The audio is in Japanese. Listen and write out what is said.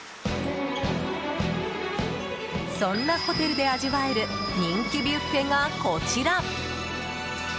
そんなホテルで味わえる人気ビュッフェが、こちら。